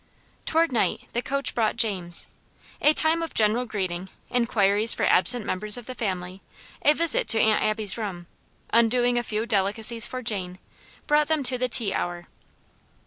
Toward night the coach brought James. A time of general greeting, inquiries for absent members of the family, a visit to Aunt Abby's room, undoing a few delicacies for Jane, brought them to the tea hour.